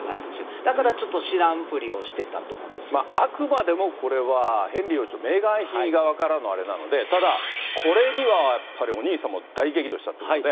だから、ちょっと知らんぷりをしあくまでもこれは、ヘンリー王子とメーガン妃側からのあれなので、ただ、これにはやっぱり、お兄さんも大激怒したということで。